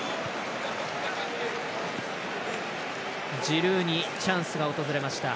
ジルーにチャンスが訪れました。